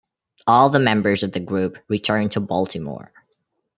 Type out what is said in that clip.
All the members of the group returned to Baltimore.